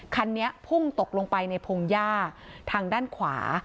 คันนี้พุ่งตกลงไปในพงหญ้าทางด้านขวา